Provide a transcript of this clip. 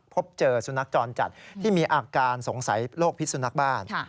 พบเจอสุนัขจรจัดที่มีอาการสงสัยโรคพิษสุนักบ้าน